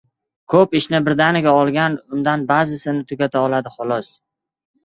• Ko‘p ishni birdaniga olgan undan ba’zisini tugata oladi, xolos.